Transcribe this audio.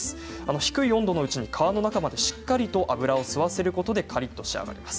低い温度のうちに皮の中までしっかりと油を吸わせることでカリっと仕上がります。